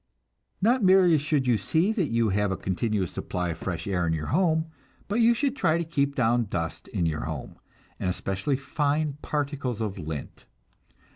Not merely should you see that you have a continuous supply of fresh air in your home, but you should try to keep down dust in your home, and especially fine particles of lint.